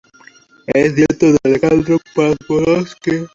Es nieto de Alejandro Pavlovsky.